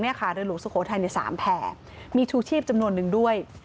เรือหลวงสุโขทัยใน๓แผ่มีชูชีพจำนวนนึงด้วย